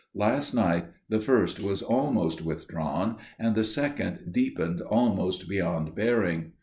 Last night the first was almost withdrawn, and the second deepened almost beyond bearing.